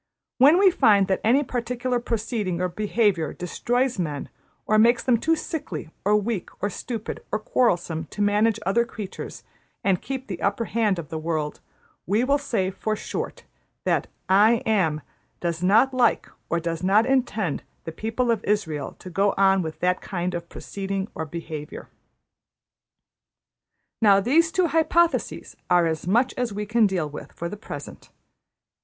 When we find that any particular proceeding or behaviour destroys men, or makes them too sickly or weak or stupid or quarrelsome to manage other creatures and keep the upper hand of the world, we will say, for short, that `I Am' does not like or does not intend the people of Israël to go on with that kind of proceeding or behaviour. ``Now these two hypotheses are as much as we can deal with for the present.